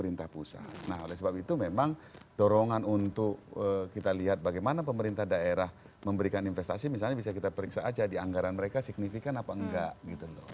nah oleh sebab itu memang dorongan untuk kita lihat bagaimana pemerintah daerah memberikan investasi misalnya bisa kita periksa aja di anggaran mereka signifikan apa enggak gitu loh